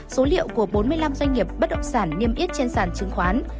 số liệu của bốn mươi năm doanh nghiệp bất động sản niêm yết trên sản chứng khoán